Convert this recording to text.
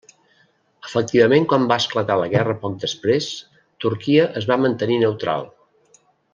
Efectivament quan va esclatar la guerra poc després, Turquia es va mantenir neutral.